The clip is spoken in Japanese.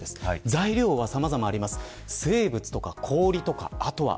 材料はさまざまあります。